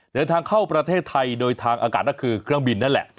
เดินทางเข้าประเทศไทยโดยทางอากาศนั่นคือเครื่องบินนั่นแหละ